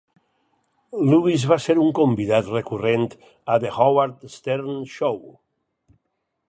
Lewis va ser un convidat recurrent a "The Howard Stern Show".